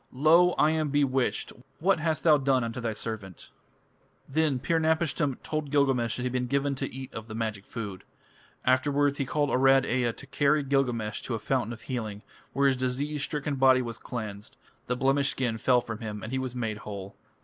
Lo! I am bewitched. What hast thou done unto thy servant?" Then Pir napishtim told Gilgamesh that he had been given to eat of the magic food. Afterwards he caused Arad Ea to carry Gilgamesh to a fountain of healing, where his disease stricken body was cleansed. The blemished skin fell from him, and he was made whole.